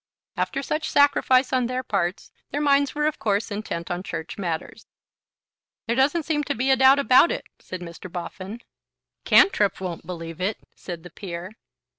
After such sacrifice on their parts their minds were of course intent on Church matters. "There doesn't seem to be a doubt about it," said Mr. Boffin. "Cantrip won't believe it," said the peer.